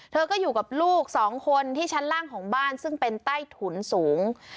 เธอก็อยู่กับลูกสองคนที่ชั้นล่างของบ้านซึ่งเป็นใต้ถุนสูง